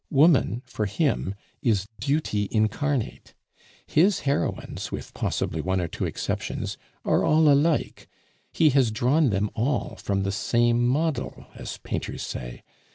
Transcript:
Woman for him is duty incarnate. His heroines, with possibly one or two exceptions, are all alike; he has drawn them all from the same model, as painters say.